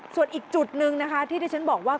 ส่วนอีกจุดหนึ่งนะคะที่ที่ฉันบอกว่า